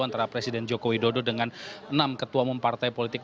antara presiden joko widodo dengan enam ketua umum partai politik